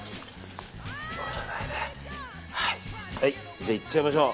じゃあ、いっちゃいましょう。